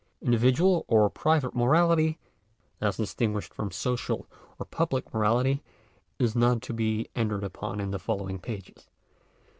Individual or private morality, as distinguished from social or public morality, is not to be entered upon in the following pages.